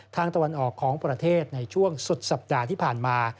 ตะวันออกของประเทศในช่วงสุดสัปดาห์ที่ผ่านมา